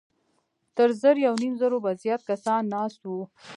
تر زر يونيم زرو به زيات کسان ناست وو.